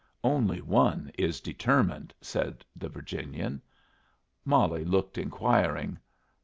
"Only one is determined," said the Virginian Molly looked inquiring.